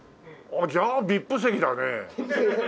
じゃあＶＩＰ席だね。